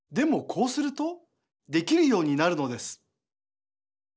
こうするとできるようになるのです。